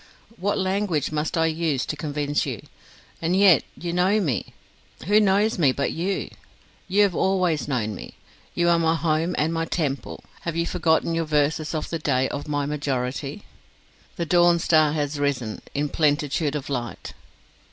What language must I use to convince you? And yet you know me. Who knows me but you? You have always known me. You are my home and my temple. Have you forgotten your verses of the day of my majority? 'The dawn star has arisen In plenitude of light